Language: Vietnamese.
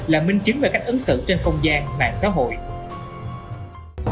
là minh chứng về cách ứng xử trên không gian mạng xã hội